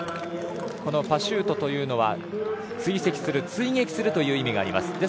このパシュートというのは追跡する、追撃するという意味があります。